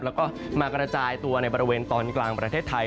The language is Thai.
แล้วก็มากระจายตัวในบริเวณตอนกลางประเทศไทย